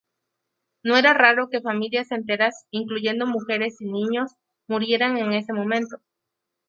No era raro que familias enteras, incluyendo mujeres y niños, murieran en ese momento.